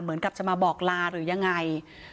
เหมือนกับจะมาบอกลาหรือยังไง